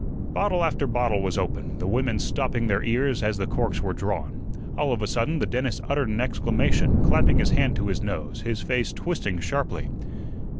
Bottle after bottle was opened, the women stopping their ears as the corks were drawn. All of a sudden the dentist uttered an exclamation, clapping his hand to his nose, his face twisting sharply.